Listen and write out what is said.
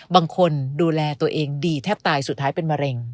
บางคนดูแลตัวเองดีแทบตายสุดท้ายเป็นมะเร็ง